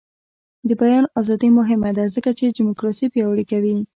د بیان ازادي مهمه ده ځکه چې دیموکراسي پیاوړې کوي.